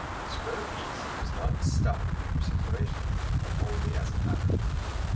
This rare piece was not struck for circulation but only as a pattern.